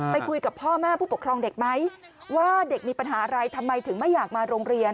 คุยกับพ่อแม่ผู้ปกครองเด็กไหมว่าเด็กมีปัญหาอะไรทำไมถึงไม่อยากมาโรงเรียน